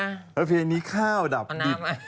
อันดับนี้ข้าวดับดิด